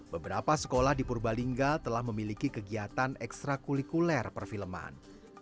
beberapa sekolah di purbalingga telah memiliki kegiatan ekstra kulikuler perfilman